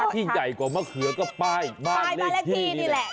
ที่ใหญ่กว่ามะเขือก็ป้ายบ้านเลขที่นี่แหละ